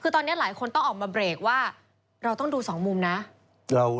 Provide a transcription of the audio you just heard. คือตอนนี้หลายคนต้องออกมาเบรกว่าเราต้องดูสองมุมนะ